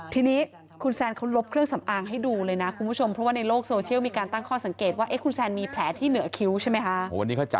ทีนี้คุณแซนเขาลบเครื่องสำอางให้ดูเลยนะคุณผู้ชมเพราะว่าในโลกโซเชียลมีการตั้งข้อสังเกตว่าคุณแซนมีแผลที่เหนือคิ้วใช่ไหมคะ